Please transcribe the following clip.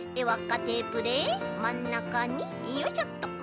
わっかテープでまんなかによいしょっと。